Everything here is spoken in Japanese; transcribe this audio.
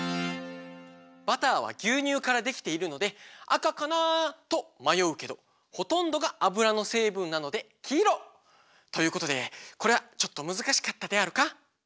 バターはぎゅうにゅうからできているので「あかかなあ？」とまようけどほとんどがあぶらのせいぶんなのできいろ！ということでこれはちょっとむずかしかったであるか？